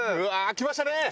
来ました！